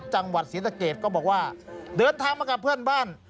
จังหวัดศรีสะเกดก็บอกว่าเดินทางมากับเพื่อนบ้าน